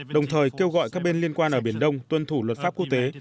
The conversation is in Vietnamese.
đồng thời kêu gọi các bên liên quan ở biển đông tuân thủ luật pháp quốc tế